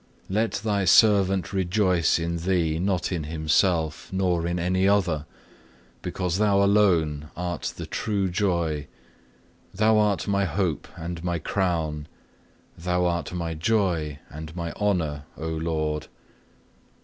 Let Thy servant rejoice in Thee, not in himself, nor in any other; because Thou alone art the true joy, Thou art my hope and my crown, Thou art my joy and my honour, O Lord.